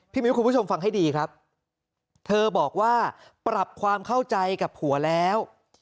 มิ้วคุณผู้ชมฟังให้ดีครับเธอบอกว่าปรับความเข้าใจกับผัวแล้ว